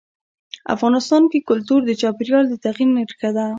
افغانستان کې کلتور د چاپېریال د تغیر نښه ده.